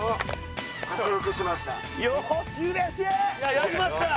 やりました！